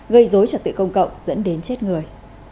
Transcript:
gây dối trật tự công cộng dẫn đến chết người